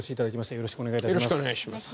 よろしくお願いします。